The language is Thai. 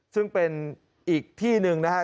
ซึ่งเป็นอีกที่หนึ่งนะครับ